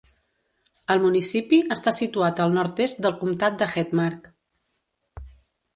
El municipi està situat al nord-est del comtat de Hedmark.